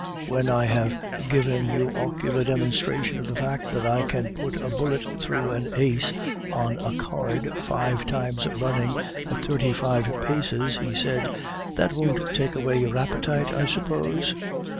"When I have given you ocular demonstration of the fact that I can put a bullet through the ace on a card five times running at thirty five paces," he said, "that won't take away your appetite, I suppose?